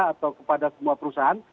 atau kepada semua perusahaan